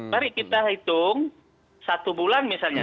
mari kita hitung satu bulan misalnya